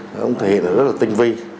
cũng thể hiện là rất là tinh vi